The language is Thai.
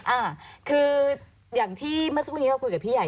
อ่าคืออย่างที่เมื่อสักครู่นี้เราคุยกับพี่ใหญ่